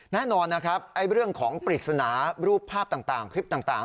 แน่นอนนะครับเรื่องของปริศนารูปภาพต่างคลิปต่าง